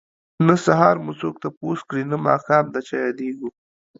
نه سهار مو څوک تپوس کړي نه ماښام د چا ياديږو